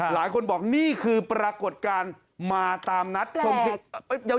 หลายคนบอกนี่คือปรากฏการณ์มาตามนัดชมคลิป